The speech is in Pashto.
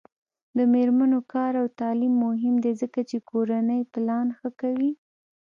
د میرمنو کار او تعلیم مهم دی ځکه چې کورنۍ پلان ښه کوي.